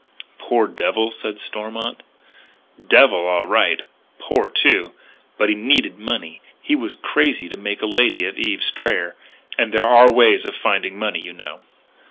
"Poor devil," said Stormont. "Devil, all right. Poor, too. But he needed money. He was crazy to make a lady of Eve Strayer. And there are ways of finding money, you know."